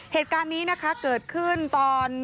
เหตุการณ์นี้นะคะเกิดขึ้นตอน